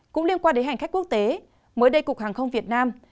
cũng liên quan đến hành khách quốc tế mới đây cục hàng không việt nam